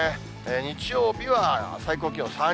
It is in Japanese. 日曜日は最高気温３２度。